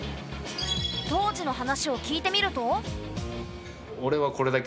当時の話を聞いてみると。